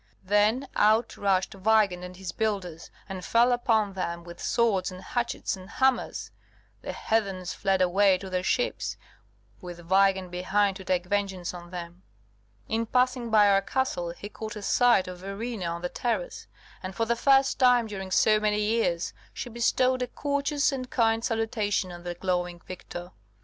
then out rushed Weigand and his builders, and fell upon them with swords and hatchets and hammers. The heathens fled away to their ships, with Weigand behind to take vengeance on them. In passing by our castle he caught a sight of Verena on the terrace, and, for the first time during so many years, she bestowed a courteous and kind salutation on the glowing victor.